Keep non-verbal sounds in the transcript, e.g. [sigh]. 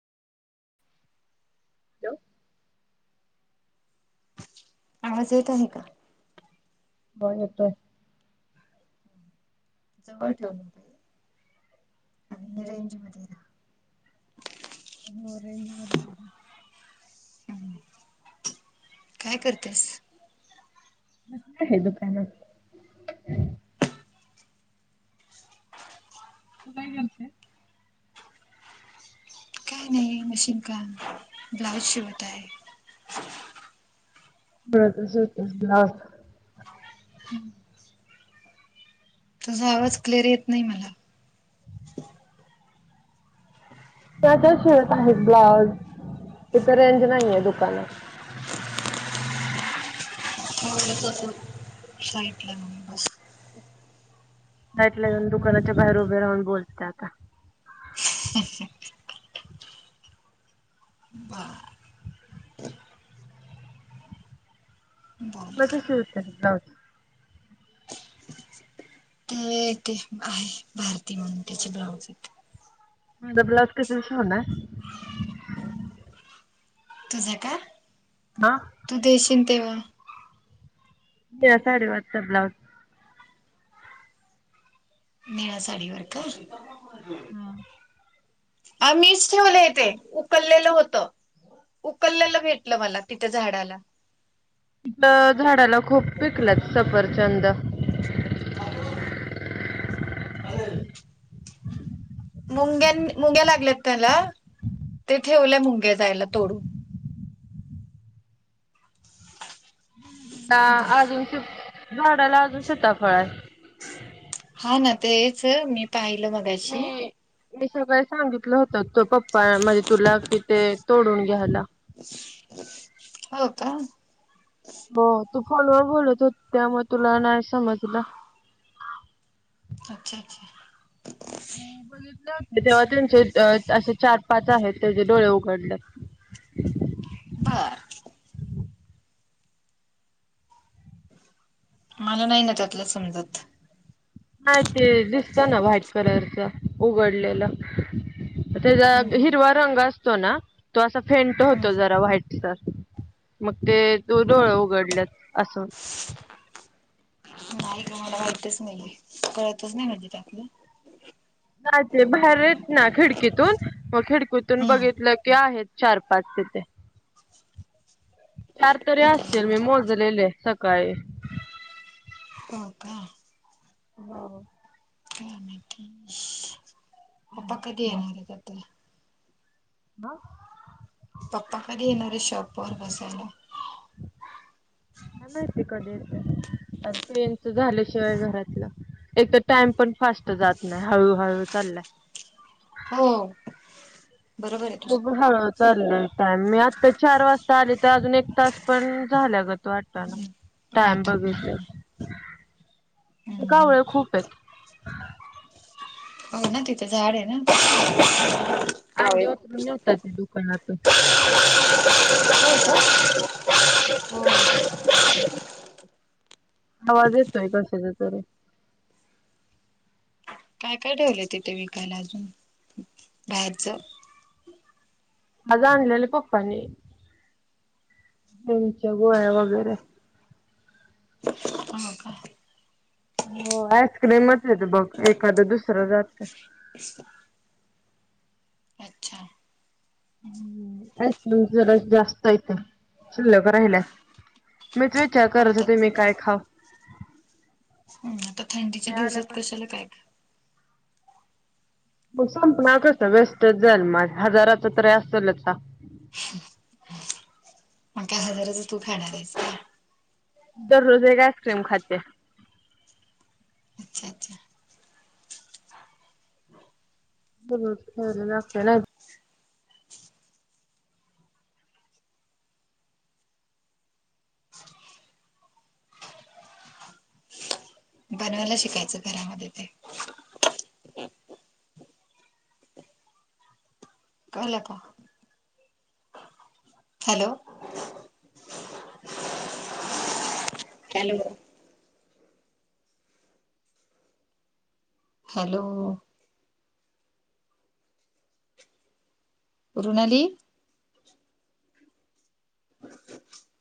Hello! आवाज येत आहे का? होय, येतोय.. जवळ ठेवलं पाहिे आणि हो रेंज मध्ये जा हो रेंज मधीच आहे. काय करतेस? कस आहे दुकानात? ह.. हे मशीन काम, ब्लाऊज शिवत आहे. भलत जुळतं नाव आहे का? तुझा आवाज क्लिअर येत नाही मला माझ्या शिवत आहेत ब्लाऊज, इथं रेंज नाहीय दुकानात मो त फईट लाग ट जाऊन दुकानाच्या बाहेर उभे राहून बोलते आता का? ह़़़़़ बर बोल. मज शिव आहे ब्लाौज. ते... ते आहे भारती म्हणून त्याचे ब्लाऊज माझं ब्लाउज कसं शिवणार? तुझं का? हा तू देशील तेव्हा. त्या साडी वरचा ब्लाउज निळा साडीवर का? हा.. आ मीच ठेवलं तेे, उकललेलं होतं. उकललेल भेटलं, मला तिथ झाडाला. त.. झाडाला खूप पिकलेत सफरचंद भारती मॅडम मुंग्यान मुंग्यालागलेतला ते ठेवल्या मुंगे जायला तोडून ना बर अजून श झाडाला अजून शताफळ आहे हा ना तेच मी पाहिलं मगाशी मी मी सगळे सांगितलं होत तो पप्पा म्हणजे तुला कि ते तोडून घ्यायला हो का हो तू फॉलोवर बोलत हो त्यामुळे तुला नाही समा तुला अच्छा अच्छा तेव्हा त्यांचे असे चार पाच आहेत त्याचे डोळे उघडले बर मला नाही ना त्यातलं समजत नाही ते दिसत ना व्हाईट कलरच उघडलेलं हम्म त्याचा हम्म हिरवा रंग असतो ना तो असा फेंट होतो जरा व्हाईटचा मग ते तू हम्म हो डोळे उघडलेत असून नाही का मला माहीतच नाही कळतच नाही म्हणजे त्यातलं. नाही ते बाहेर येत ना खिडकीतून मग खिडकीतून हम्म बघितलं की आहेत चार पाच तिथे. [inaudible] चार तरी असतील मी मोजलेले सकाळी. हो का. हो. का माहिती पपा आहेत कधी चार. येणार आहे आता. ह पपा कधी येणारे शॉप बर बसायला. काय माहिती कधी येत आणि तेनच झाल्याशिवाय घरातलं एक तर टाइम पण फास्ट जात नाही हळूहळू चाललाय. हो. बरोबर आहे हो तुझ. ग ह. चालाय टाईम मी आत्ता चार वाजता आले तर अजून एक तास पण झाल्या गत वाटना. टाइम वाटत नाहीये. का हम्म वेळ खूप आहेत. ना तिथं झाड हेना. हम्म आंडी उचलून येतात. नेलता कि दुकानातुन. हो [inaudible] आवाज येतोय कशाचा तरी. काय काय ठेवलंय तिथे विकायला अजून बाहेरच? आज आणलेले पप्पाने. त्यांच्या गोळ्या वगैरे. हां का हो आयस्कीमच येत बघ एखादं दुसरं जातय. अच्छा हम्म आईस्कीम जरा जास्त यथ शिल्लक राहिलात. मी ज विचार पण करत आता होते मी काय खा हम्म, आता थंडीच्या दिवसात आल्यापासून कशाला काय. म संपनार कसं वेस्टच जाल मा हजाराच तरी असेलच हा. मग काय तू खाणार आहेस का. दररोज एक आईस्क्रीम खाते. अच्छा अच्छा. [unintelligible] बनवायला शिकायचं घरामध्ये ते. कळलं का? Hello hello hello Runali